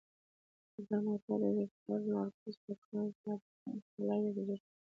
دا موټر زیکفرد مارکوس په کال زر اته سوه څلور اویا کې جوړ کړ.